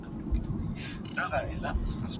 پوه شئ او عمل وکړئ.